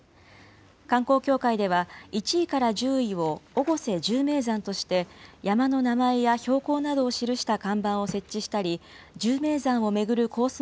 観光協会では、１位から１０位を越生１０名山として、山の名前や標高などを記した看板を設置したり、１０名山を巡るコース